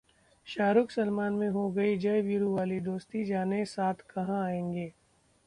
शाहरुख-सलमान में हो गई 'जय-वीरू' वाली दोस्ती, जानें साथ कहां आएंगे...